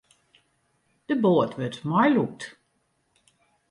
De boat wurdt meilûkt.